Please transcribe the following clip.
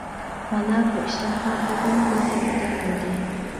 مانا بۇ ئىشلارغا بۈگۈن بىر ھەپتە بولدى.